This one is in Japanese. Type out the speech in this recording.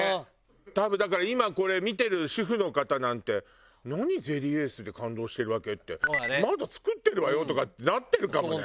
多分だから今これ見てる主婦の方なんて「何ゼリエースで感動してるわけ？」って「まだ作ってるわよ」とかってなってるかもね。